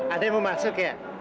ada yang mau masuk ya